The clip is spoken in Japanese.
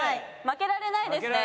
負けられないですね。